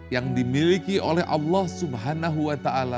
yang dimiliki oleh allah subhanahu wa ta'ala